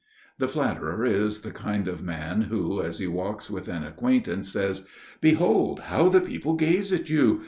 The flatterer is the kind of man who, as he walks with an acquaintance, says: "Behold! how the people gaze at you!